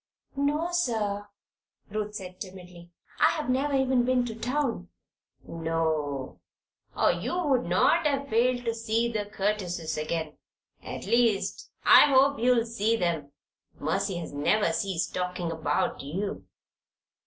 "No, sir," Ruth said, timidly. "I have never even been to town." "No. Or you would not have failed to see the Curtises again. At least, I hope you'll see them. Mercy has never ceased talking about you."